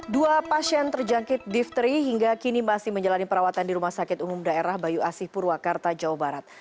dua pasien terjangkit difteri hingga kini masih menjalani perawatan di rumah sakit umum daerah bayu asih purwakarta jawa barat